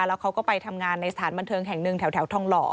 แล้วเขาก็ไปทำงานในสถานบันเทิงแห่งหนึ่งแถวทองหล่อ